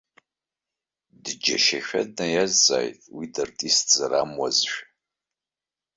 Дџьашьашәа днаиазҵааит, уи дартистзар амуазшәа.